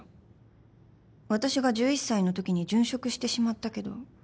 私が１１歳のときに殉職してしまったけど